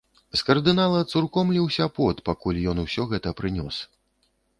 З кардынала цурком ліўся пот, пакуль ён усё гэта прынёс.